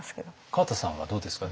川田さんはどうですか？